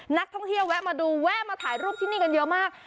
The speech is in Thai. นักท่องเที่ยวแวะมาดูแวะมาถ่ายรูปที่นี่กันเยอะมาก